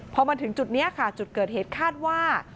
พอมาถึงจุดนี้ค่ะจุดเกิดเหตุคาดว่า